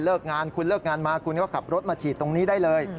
งานคุณเลิกงานมาคุณก็ขับรถมาฉีดตรงนี้ได้เลย